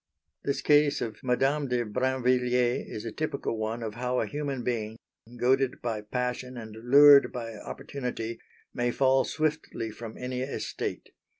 This case of Madame de Brinvilliers is a typical one of how a human being, goaded by passion and lured by opportunity, may fall swiftly from any estate.